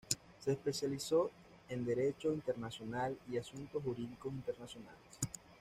Se especializó en Derecho Internacional y asuntos jurídicos internacionales.